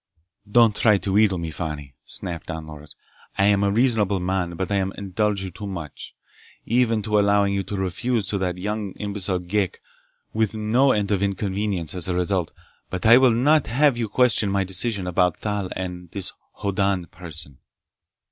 "Don't try to wheedle me, Fani!" snapped Don Loris. "I am a reasonable man, but I indulge you too much—even to allowing you to refuse that young imbecile Ghek, with no end of inconvenience as a result. But I will not have you question my decision about Thal and this Hoddan person!"